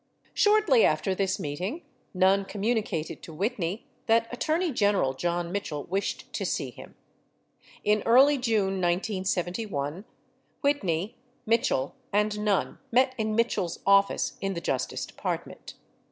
Shortly after this meeting, Nunn communicated to Whitney that Attorney General John Mitchell wished to see him. In early June 1971, Whitney, Mitchell and Nunn met. in Mitchell's office in the Justice Department.